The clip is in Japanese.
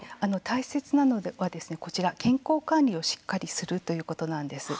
大切なのは、こちら健康管理をしっかりするということなんです。